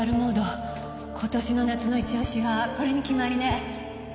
今年の夏の一押しはこれに決まりね。